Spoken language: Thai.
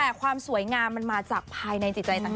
แต่ความสวยงามมันมาจากภายในจิตใจต่าง